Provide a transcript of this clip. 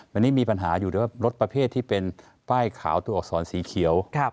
อันนี้มีปัญหาอยู่แต่ว่ารถประเภทที่เป็นป้ายขาวตัวอักษรสีเขียว